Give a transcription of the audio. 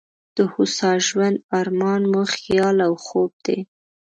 د هوسا ژوند ارمان مو خیال او خوب دی.